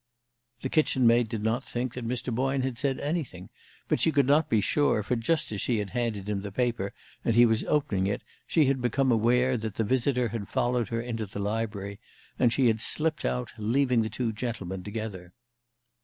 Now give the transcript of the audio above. The kitchen maid did not think that Mr. Boyne had said anything, but she could not be sure, for just as she had handed him the paper and he was opening it, she had become aware that the visitor had followed her into the library, and she had slipped out, leaving the two gentlemen together.